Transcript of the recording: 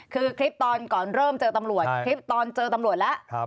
คือคลิปตอนก่อนเริ่มเจอตำรวจคลิปตอนเจอตำรวจแล้ว